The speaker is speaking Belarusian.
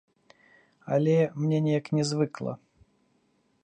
Але мне неяк нязвыкла.